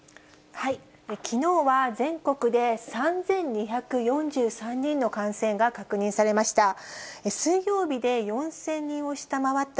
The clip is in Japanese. きのうは全国で３２４３人の感染が確認されました。